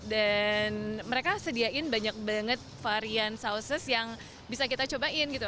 dan mereka sediain banyak banget varian saus yang bisa kita cobain gitu